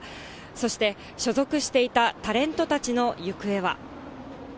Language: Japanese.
そして所属していたタレントたちの行方は。